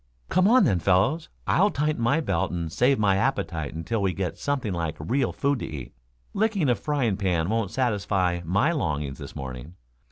"Come on then, fellows. I'll tighten my belt and save my appetite until we get something like real food to eat. Licking a frying pan won't satisfy my longings this morning.